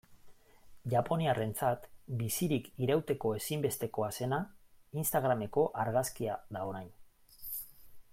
Japoniarrentzat bizirik irauteko ezinbestekoa zena, instagrameko argazkia da orain.